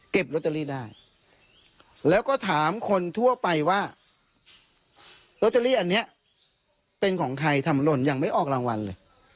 ลอตเตอรี่ได้แล้วก็ถามคนทั่วไปว่าลอตเตอรี่อันนี้เป็นของใครทำหล่นยังไม่ออกรางวัลเลย